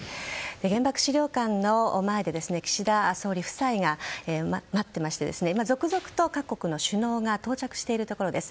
原爆資料館の前で岸田総理夫妻が待っていまして続々と各国の首脳が到着しているところです。